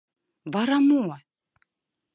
Вара мо?